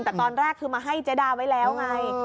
แต่ตอนแรกคือมาให้เจ๊ดาไว้แล้วไง